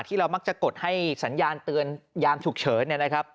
ที่เรามักจะกดให้สัญญาณเตือนยามฉุกเฉิน